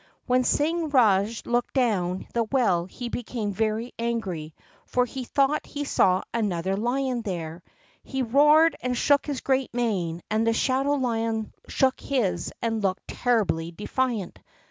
When Singh Rajah looked down the well he became very angry, for he thought he saw another lion there. He roared and shook his great mane, and the shadow lion shook his and looked terribly defiant.